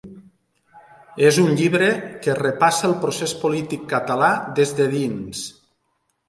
És un llibre que repassa el procés polític català des de dins.